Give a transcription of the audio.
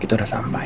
kita udah sampai